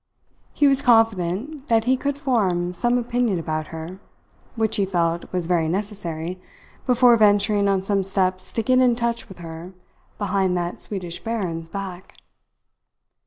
He was confident that he could form some opinion about her which, he felt, was very necessary, before venturing on some steps to get in touch with her behind that Swedish baron's back.